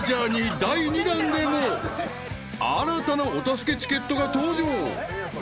［新たなお助けチケットが登場］